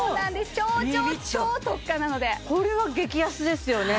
超超超特価なのでこれは激安ですよね